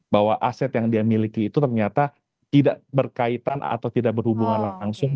bahwa aset yang dia miliki itu ternyata tidak berkaitan atau tidak berhubungan langsung